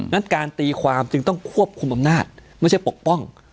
นั้นการตีความจึงต้องควบคุมอำนาจไม่ใช่ปกป้อง